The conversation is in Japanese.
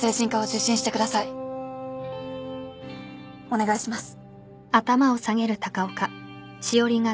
お願いします。